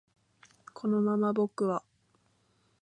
このまま僕は